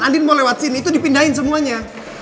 andin mau lewat sini itu dipindahin semuanya